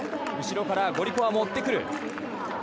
後ろからゴリコワも追ってくる。